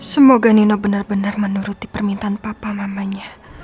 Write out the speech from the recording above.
semoga nino benar benar menuruti permintaan papa mamanya